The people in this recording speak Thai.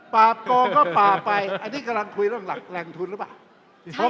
ปรับโครงก็ปรับไปอันนี้กำลังคุยเรื่องแรงทุนหรือเปล่า